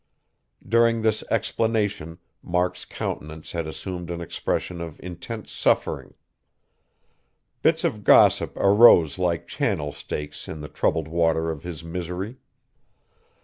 During this explanation Mark's countenance had assumed an expression of intense suffering. Bits of gossip arose like channel stakes in the troubled water of his misery.